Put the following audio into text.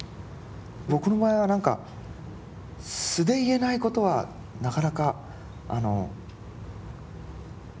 僕の場合は何か素で言えないことはなかなかあの。